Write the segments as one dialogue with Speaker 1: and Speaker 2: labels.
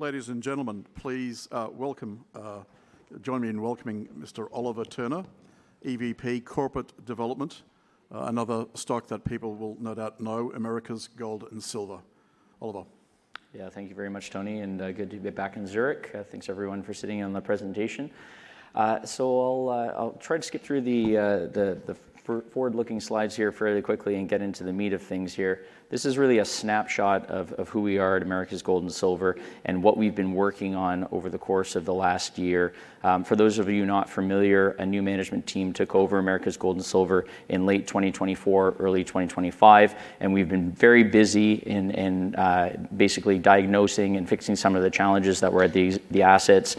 Speaker 1: Ladies and gentlemen, please join me in welcoming Mr. Oliver Turner, EVP Corporate Development, another stock that people will no doubt know, Americas Gold and Silver. Oliver.
Speaker 2: Yeah. Thank you very much, Tony, and good to be back in Zurich. Thanks everyone for sitting in on the presentation. I'll try to skip through the forward-looking slides here fairly quickly and get into the meat of things here. This is really a snapshot of who we are at Americas Gold and Silver and what we've been working on over the course of the last year. For those of you not familiar, a new management team took over Americas Gold and Silver in late 2024, early 2025, and we've been very busy in basically diagnosing and fixing some of the challenges that were at the assets,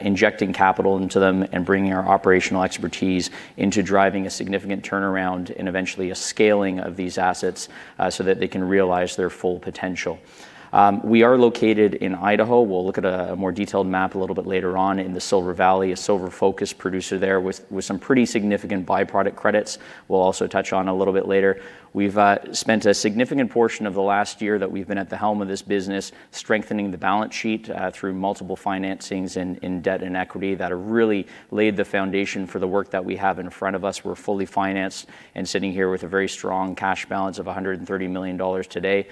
Speaker 2: injecting capital into them, and bringing our operational expertise into driving a significant turnaround and eventually a scaling of these assets so that they can realize their full potential. We are located in Idaho. We'll look at a more detailed map a little bit later on in the Silver Valley, a silver-focused producer there with some pretty significant byproduct credits we'll also touch on a little bit later. We've spent a significant portion of the last year that we've been at the helm of this business strengthening the balance sheet through multiple financings in debt and equity that have really laid the foundation for the work that we have in front of us. We're fully financed and sitting here with a very strong cash balance of $130 million today.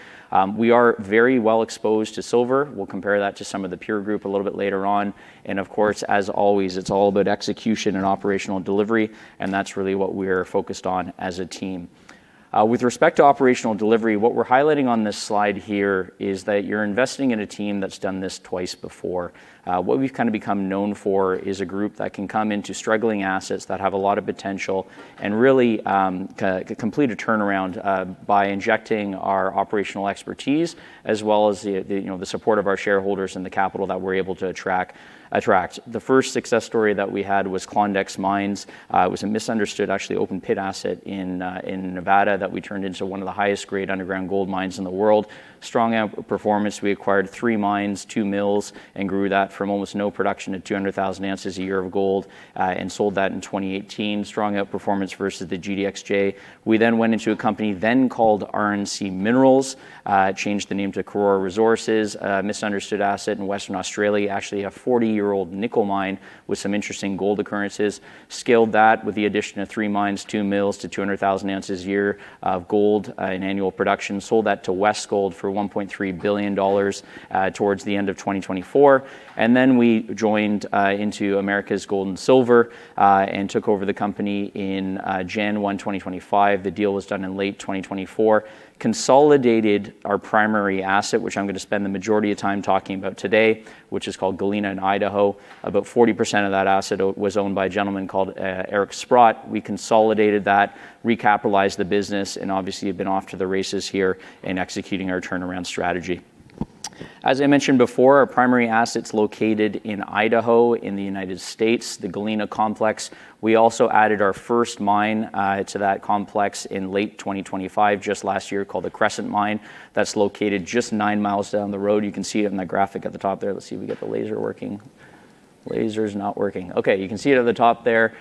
Speaker 2: We are very well exposed to silver. We'll compare that to some of the peer group a little bit later on. Of course, as always, it's all about execution and operational delivery, and that's really what we're focused on as a team. With respect to operational delivery, what we're highlighting on this slide here is that you're investing in a team that's done this twice before. What we've kind of become known for is a group that can come into struggling assets that have a lot of potential and really complete a turnaround by injecting our operational expertise as well as the support of our shareholders and the capital that we're able to attract. The first success story that we had was Klondex Mines. It was a misunderstood actually open-pit asset in Nevada that we turned into one of the highest-grade underground gold mines in the world. Strong outperformance. We acquired three mines, two mills, and grew that from almost no production to 200,000 ounces a year of gold, and sold that in 2018. Strong outperformance versus the GDXJ. We went into a company then called RNC Minerals, changed the name to Karora Resources, a misunderstood asset in Western Australia, actually a 40-year-old nickel mine with some interesting gold occurrences, scaled that with the addition of three mines, two mills to 200,000 ounces a year of gold in annual production, sold that to Westgold for $1.3 billion towards the end of 2024. We joined into Americas Gold and Silver, and took over the company in January 2025. The deal was done in late 2024, consolidated our primary asset, which I'm going to spend the majority of time talking about today, which is called Galena in Idaho. About 40% of that asset was owned by a gentleman called Eric Sprott. We consolidated that, recapitalized the business, and obviously have been off to the races here in executing our turnaround strategy. As I mentioned before, our primary asset's located in Idaho in the United States, the Galena Complex. We also added our first mine to that complex in late 2025, just last year, called the Crescent Mine, that's located just nine miles down the road. You can see it in the graphic at the top there. Let's see if we get the laser working. Laser's not working. Okay, you can see it at the top there,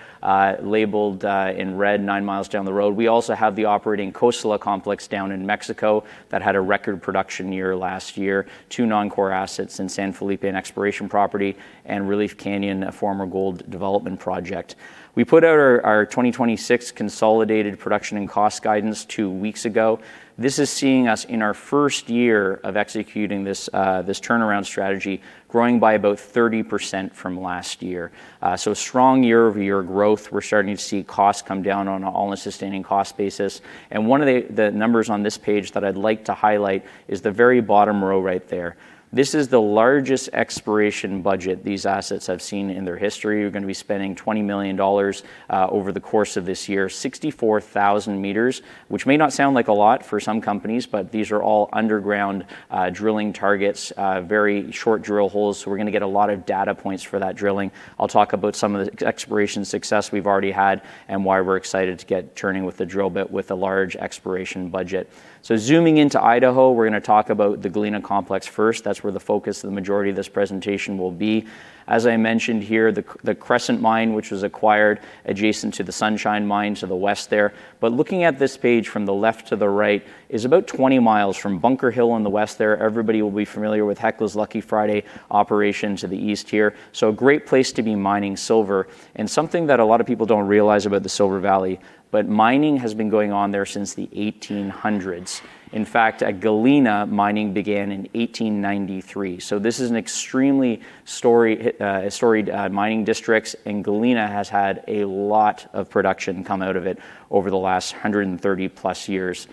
Speaker 2: labeled in red, nine miles down the road. We also have the operating Cosalá Complex down in Mexico that had a record production year last year. Two non-core assets in San Felipe, an exploration property, and Relief Canyon, a former gold development project. We put out our 2026 consolidated production and cost guidance two weeks ago. This is seeing us in our first year of executing this turnaround strategy growing by about 30% from last year, a strong year-over-year growth. We're starting to see costs come down on an all-in sustaining cost basis. One of the numbers on this page that I'd like to highlight is the very bottom row right there. This is the largest exploration budget these assets have seen in their history. We're going to be spending $20 million over the course of this year, 64,000 m, which may not sound like a lot for some companies, but these are all underground drilling targets, very short drill holes, so we're going to get a lot of data points for that drilling. I'll talk about some of the exploration success we've already had and why we're excited to get churning with the drill bit with a large exploration budget. Zooming into Idaho, we're going to talk about the Galena Complex first. That's where the focus of the majority of this presentation will be. As I mentioned here, the Crescent Mine, which was acquired adjacent to the Sunshine Mine to the west there. Looking at this page from the left to the right is about 20 mi from Bunker Hill on the west there. Everybody will be familiar with Hecla's Lucky Friday operation to the east here. A great place to be mining silver. Something that a lot of people don't realize about the Silver Valley, but mining has been going on there since the 1800s. In fact, at Galena, mining began in 1893. This is an extremely storied mining district, and Galena has had a lot of production come out of it over the last 130+ years.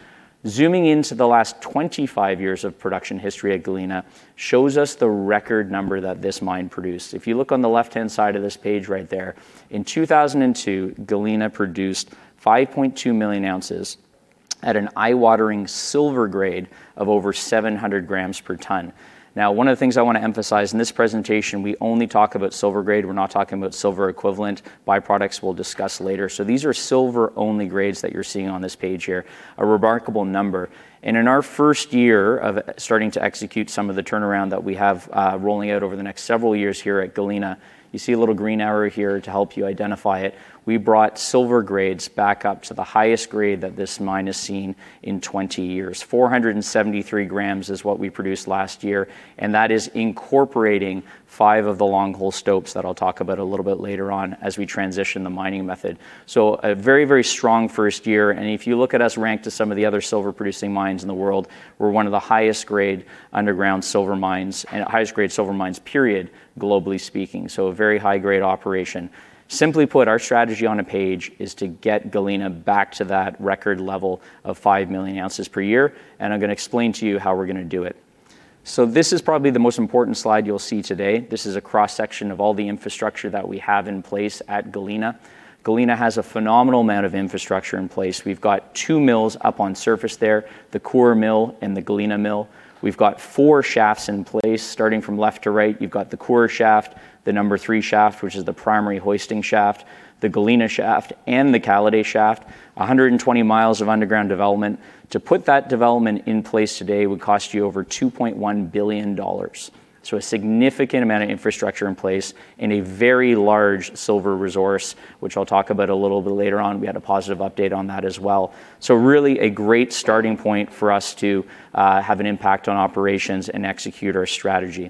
Speaker 2: Zooming into the last 25 years of production history at Galena shows us the record number that this mine produced. If you look on the left-hand side of this page right there, in 2002, Galena produced 5.2 million ounces at an eye-watering silver grade of over 700 g/ton. Now, one of the things I want to emphasize in this presentation, we only talk about silver grade, we're not talking about silver equivalent byproducts we'll discuss later. These are silver-only grades that you're seeing on this page here. A remarkable number. In our first year of starting to execute some of the turnaround that we have rolling out over the next several years here at Galena, you see a little green arrow here to help you identify it. We brought silver grades back up to the highest grade that this mine has seen in 20 years. 473 grams is what we produced last year, and that is incorporating five of the long hole stopes that I'll talk about a little bit later on as we transition the mining method. It was a very, very strong first year, and if you look at us ranked to some of the other silver-producing mines in the world, we're one of the highest-grade underground silver mines and highest-grade silver mines, period, globally speaking. It is a very high-grade operation. Simply put, our strategy on a page is to get Galena back to that record level of 5 million ounces per year, and I'm going to explain to you how we're going to do it. This is probably the most important slide you'll see today. This is a cross-section of all the infrastructure that we have in place at Galena. Galena has a phenomenal amount of infrastructure in place. We've got two mills up on surface there, the [Core Mill] and the Galena Mill. We've got four shafts in place. Starting from left to right, you've got the Coeur Shaft, the Number 3 Shaft, which is the primary hoisting shaft, the Galena Shaft, and the Caladay Shaft, 120 mi of underground development. To put that development in place today would cost you over $2.1 billion, a significant amount of infrastructure in place and a very large silver resource, which I'll talk about a little bit later on. We had a positive update on that as well, really a great starting point for us to have an impact on operations and execute our strategy.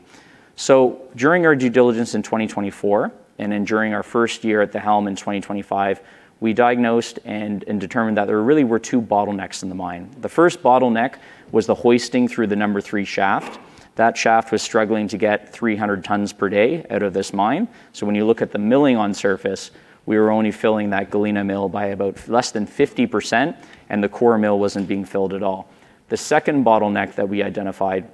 Speaker 2: During our due diligence in 2024, and then during our first year at the helm in 2025, we diagnosed and determined that there really were two bottlenecks in the mine. The first bottleneck was the hoisting through the Number 3 Shaft. That shaft was struggling to get 300 tons per day out of this mine. When you look at the milling on surface, we were only filling that Galena Mill by about less than 50%, and the Coeur Mill wasn't being filled at all. The second bottleneck that we identified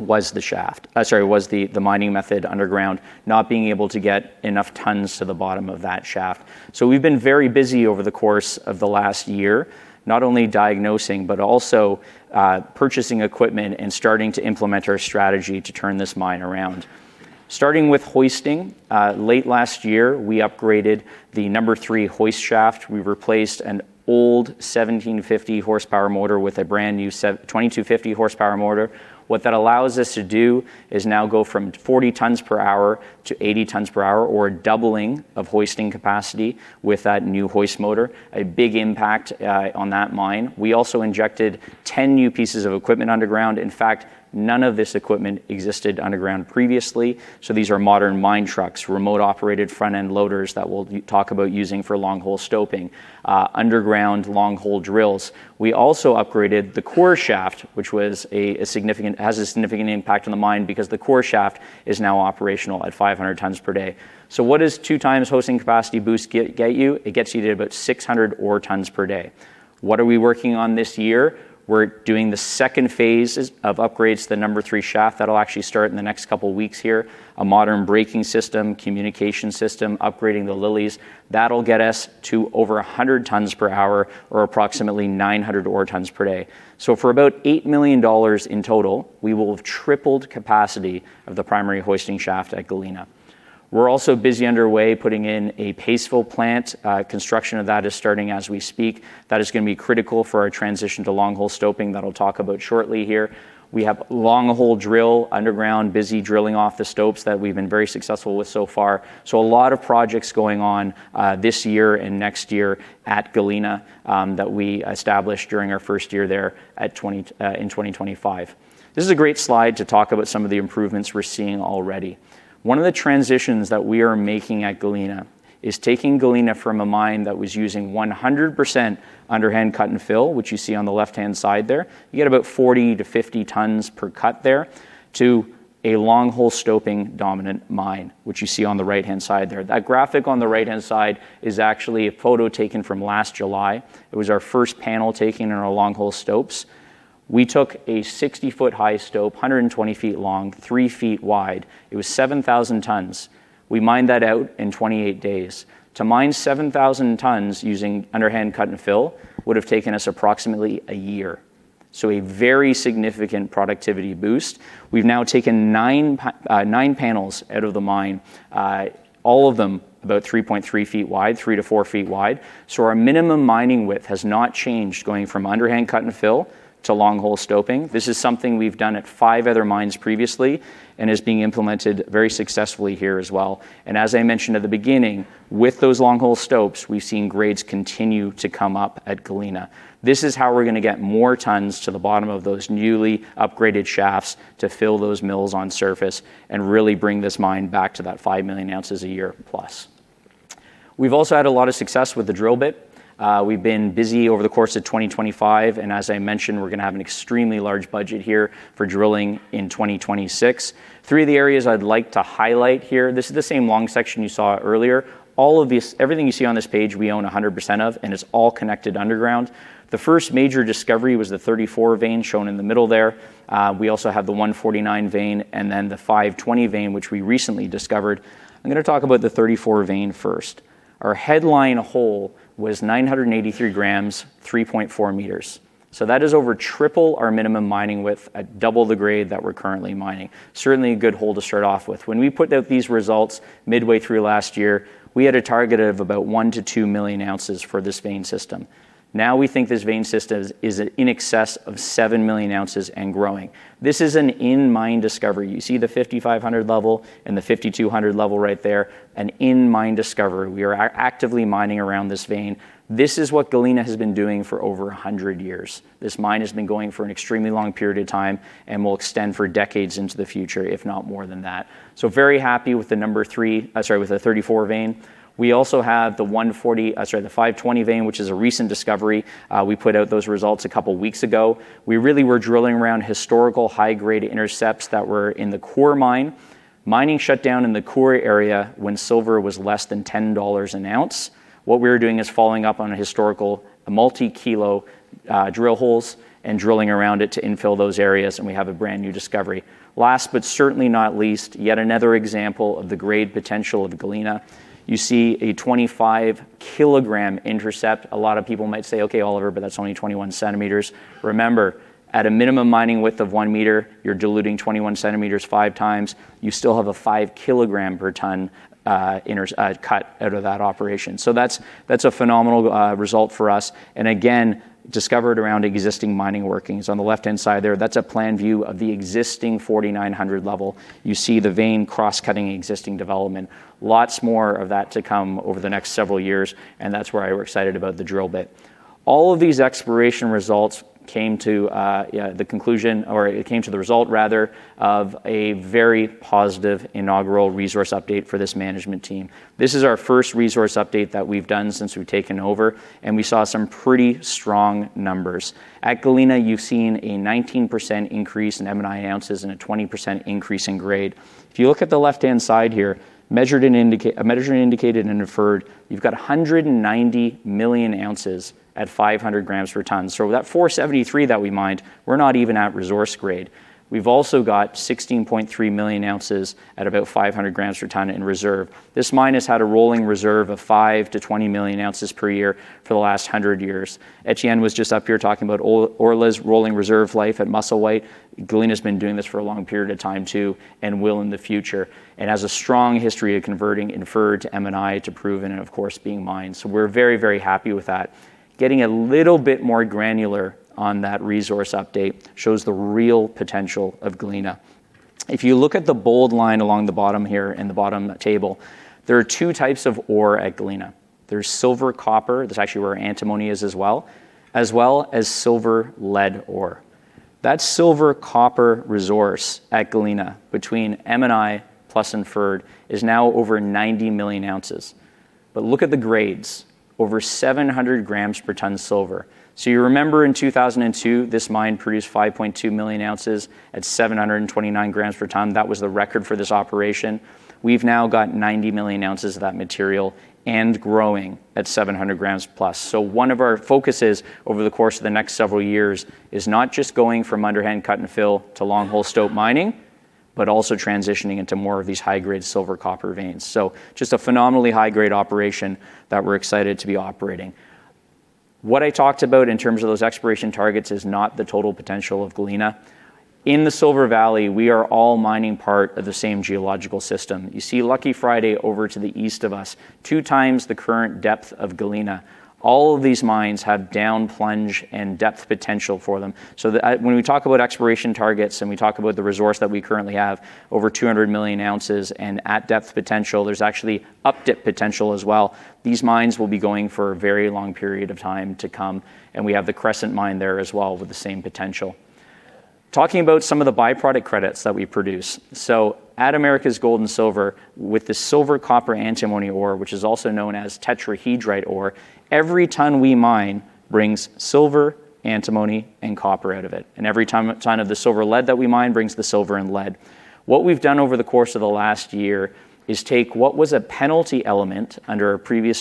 Speaker 2: was the mining method underground, not being able to get enough tons to the bottom of that shaft. We've been very busy over the course of the last year, not only diagnosing, but also purchasing equipment and starting to implement our strategy to turn this mine around. Starting with hoisting. Late last year, we upgraded the Number 3 Hoist Shaft. We replaced an old 1,750 horsepower motor with a brand new 2,250 horsepower motor. What that allows us to do is now go from 40 tons per hour to 80 tons per hour, or a doubling of hoisting capacity with that new hoist motor. A big impact on that mine. We also injected 10 new pieces of equipment underground. In fact, none of this equipment existed underground previously. These are modern mine trucks, remote operated front-end loaders that we'll talk about using for long hole stoping. Underground long hole drills. We also upgraded the Coeur Shaft, which has a significant impact on the mine because the Coeur Shaft is now operational at 500 tons per day. What does two times hoisting capacity boost get you? It gets you to about 600 ore tons per day. What are we working on this year? We're doing the second phases of upgrades to the Number 3 Shaft. That'll actually start in the next couple of weeks here. A modern braking system, communication system, upgrading the lilies. That'll get us to over 100 tons per hour or approximately 900 ore tons per day. So for about $8 million in total, we will have tripled capacity of the primary hoisting shaft at Galena. We're also busy underway putting in a paste fill plant. Construction of that is starting as we speak. That is going to be critical for our transition to long hole stoping that I'll talk about shortly here. We have long hole drill underground, busy drilling off the stopes that we've been very successful with so far. So a lot of projects going on this year and next year at Galena that we established during our first year there in 2025. This is a great slide to talk about some of the improvements we're seeing already. One of the transitions that we are making at Galena is taking Galena from a mine that was using 100% underhand cut and fill, which you see on the left-hand side there. You get about 40 tons-50 tons per cut there to a long hole stoping dominant mine, which you see on the right-hand side there. That graphic on the right-hand side is actually a photo taken from last July. It was our first panel taking in our long hole stopes. We took a 60 ft high stope, 120 ft long, three feet wide. It was 7,000 tons. We mined that out in 28 days. To mine 7,000 tons using underhand cut and fill would have taken us approximately a year. A very significant productivity boost. We've now taken nine panels out of the mine. All of them about 3.3 ft wide, 3 ft-4 ft wide. Our minimum mining width has not changed going from underhand cut and fill to long hole stoping. This is something we've done at five other mines previously and is being implemented very successfully here as well. As I mentioned at the beginning, with those long hole stopes, we've seen grades continue to come up at Galena. This is how we're going to get more tons to the bottom of those newly upgraded shafts to fill those mills on surface and really bring this mine back to that 5 million ounces a year+. We've also had a lot of success with the drill bit. We've been busy over the course of 2025, and as I mentioned, we're going to have an extremely large budget here for drilling in 2026. Three of the areas I'd like to highlight here. This is the same long section you saw earlier. Everything you see on this page, we own 100% of, and it's all connected underground. The first major discovery was the 34 vein shown in the middle there. We also have the 149 vein and then the 520 vein, which we recently discovered. I'm going to talk about the 34 vein first. Our headline hole was 983 g, 3.4 m. That is over triple our minimum mining width at double the grade that we're currently mining. Certainly, a good hole to start off with. When we put out these results midway through last year, we had a target of about 1 million-2 million ounces for this vein system. Now we think this vein system is in excess of 7 million ounces and growing. This is an in-mine discovery. You see the 5,500 level and the 5,200 level right there, an in-mine discovery. We are actively mining around this vein. This is what Galena has been doing for over 100 years. This mine has been going for an extremely long period of time and will extend for decades into the future, if not more than that. Very happy with the 34 vein. We also have the 520 vein, which is a recent discovery. We put out those results a couple of weeks ago. We really were drilling around historical high-grade intercepts that were in the Coeur Mine. Mining shut down in the core area when silver was less than $10 an ounce. What we're doing is following up on a historical multi-kilo drill holes and drilling around it to infill those areas, and we have a brand-new discovery. Last but certainly not least, yet another example of the grade potential of Galena, you see a 25 kg intercept. A lot of people might say, "Okay, Oliver, that's only 21 cm." Remember, at a minimum mining width of one meter, you're diluting 21 cm 5x. You still have a 5 kg/ton cut out of that operation. That's a phenomenal result for us. Again, discovered around existing mining workings. On the left-hand side there, that's a plan view of the existing 4,900 level. You see the vein cross-cutting existing development. Lots more of that to come over the next several years, and that's why we're excited about the drill bit. All of these exploration results came to the conclusion, or it came to the result rather, of a very positive inaugural resource update for this management team. This is our first resource update that we've done since we've taken over, and we saw some pretty strong numbers. At Galena, you've seen a 19% increase in M&I ounces and a 20% increase in grade. If you look at the left-hand side here, Measured, Indicated, and Inferred, you've got 190 million ounces at 500 g/ton. That 473 that we mined, we're not even at resource grade. We've also got 16.3 million ounces at about 500 g/ton in reserve. This mine has had a rolling reserve of 5 million-20 million ounces per year for the last 100 years. Etienne was just up here talking about Orla's rolling reserve life at Musselwhite. Galena's been doing this for a long period of time, too, and will in the future, and has a strong history of converting Inferred to M&I to Proven and, of course, being mined. We're very happy with that. Getting a little bit more granular on that resource update shows the real potential of Galena. If you look at the bold line along the bottom here in the bottom table, there are two types of ore at Galena. There's silver-copper, that's actually where antimony is as well, as well as silver-lead ore. That silver-copper resource at Galena between M&I plus inferred is now over 90 million ounces. Look at the grades, over 700 g/ton silver. You remember in 2002, this mine produced 5.2 million ounces at 729 g/ton. That was the record for this operation. We've now got 90 million ounces of that material and growing at 700 grams+. One of our focuses over the course of the next several years is not just going from underhand cut and fill to long hole stope mining, but also transitioning into more of these high-grade silver-copper veins, just a phenomenally high-grade operation that we're excited to be operating. What I talked about in terms of those exploration targets is not the total potential of Galena. In the Silver Valley, we are all mining part of the same geological system. You see Lucky Friday over to the east of us, 2x the current depth of Galena. All of these mines have down-plunge and depth potential for them. When we talk about exploration targets and we talk about the resource that we currently have, over 200 million ounces and at-depth potential, there's actually up-depth potential as well. These mines will be going for a very long period of time to come, and we have the Crescent Mine there as well with the same potential. Talking about some of the byproduct credits that we produce, at Americas Gold and Silver, with the silver-copper-antimony ore, which is also known as tetrahedrite ore, every ton we mine brings silver, antimony, and copper out of it. Every ton of the silver-lead that we mine brings the silver and lead. What we've done over the course of the last year is take what was a penalty element under a previous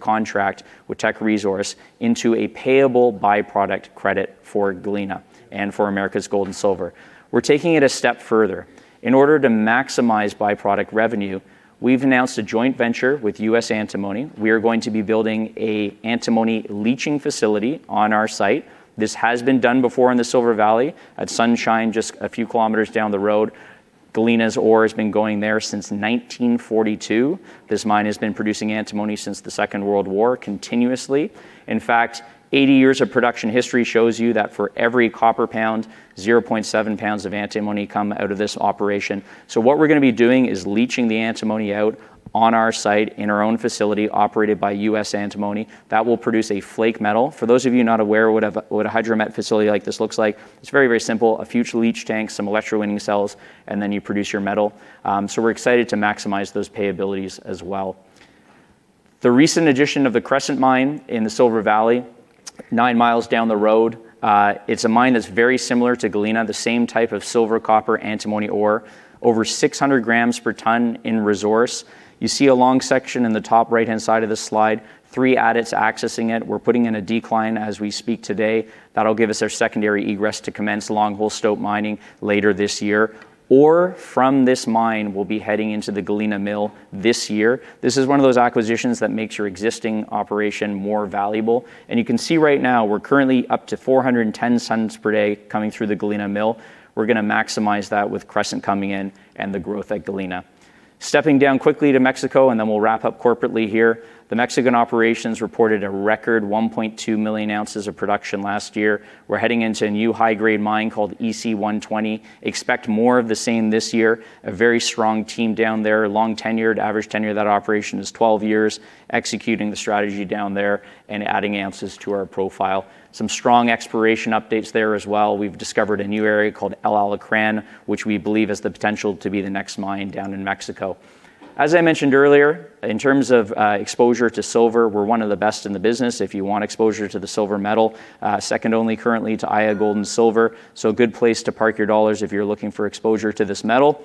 Speaker 2: contract with Teck Resources into a payable byproduct credit for Galena and for Americas Gold and Silver. We're taking it a step further. In order to maximize byproduct revenue, we've announced a joint venture with U.S. Antimony. We are going to be building a antimony leaching facility on our site. This has been done before in the Silver Valley at Sunshine, just a few kilometers down the road. Galena's ore has been going there since 1942. This mine has been producing antimony since the Second World War continuously. In fact, 80 years of production history shows you that for every copper pound, 0.7 pounds of antimony come out of this operation. What we're going to be doing is leaching the antimony out on our site in our own facility operated by US Antimony. That will produce a flake metal. For those of you not aware what a hydromet facility like this looks like, it's very simple, a few leach tanks, some electrowinning cells, and then you produce your metal. We're excited to maximize those payabilities as well. The recent addition of the Crescent Mine in the Silver Valley, nine miles down the road, it's a mine that's very similar to Galena, the same type of silver-copper-antimony ore, over 600 g/ton in resource. You see a long section in the top right-hand side of this slide, three adits accessing it. We're putting in a decline as we speak today. That'll give us our secondary egress to commence long hole stope mining later this year. Ore from this mine will be heading into the Galena Mill this year. This is one of those acquisitions that makes your existing operation more valuable. You can see right now we're currently up to 410 tons per day coming through the Galena Mill. We're going to maximize that with Crescent coming in and the growth at Galena. Stepping down quickly to Mexico, and then we'll wrap up corporately here. The Mexican operations reported a record 1.2 million ounces of production last year. We're heading into a new high-grade mine called EC120. Expect more of the same this year. A very strong team down there, long tenured. Average tenure of that operation is 12 years, executing the strategy down there and adding ounces to our profile. Some strong exploration updates there as well. We've discovered a new area called El Alacrán, which we believe has the potential to be the next mine down in Mexico. As I mentioned earlier, in terms of exposure to silver, we're one of the best in the business if you want exposure to the silver metal, second only currently to Aya Gold & Silver. A good place to park your dollars if you're looking for exposure to this metal.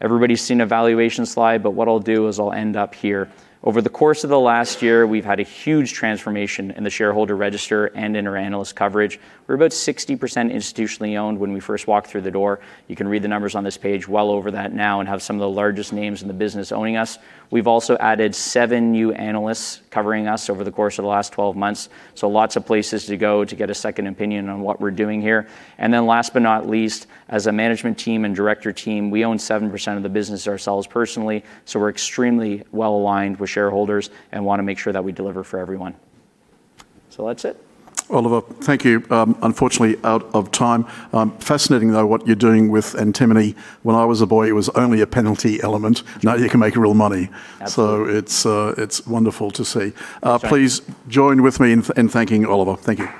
Speaker 2: Everybody's seen a valuation slide, but what I'll do is I'll end up here. Over the course of the last year, we've had a huge transformation in the shareholder register and in our analyst coverage. We were about 60% institutionally owned when we first walked through the door. You can read the numbers on this page, well over that now, and have some of the largest names in the business owning us. We've also added seven new analysts covering us over the course of the last 12 months, so lots of places to go to get a second opinion on what we're doing here. Last but not least, as a management team and director team, we own 7% of the business ourselves personally, so we're extremely well-aligned with shareholders and want to make sure that we deliver for everyone. That's it.
Speaker 1: Oliver, thank you. Unfortunately, out of time. Fascinating, though, what you're doing with antimony. When I was a boy, it was only a penalty element. Now you can make real money.
Speaker 2: Absolutely.
Speaker 1: It's wonderful to see.
Speaker 2: Thanks.
Speaker 1: Please join with me in thanking Oliver. Thank you.